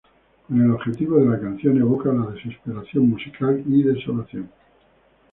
Con el objetivo de la canción evoca la desesperación musical y desolación.